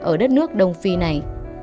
ở đất nước đông phi này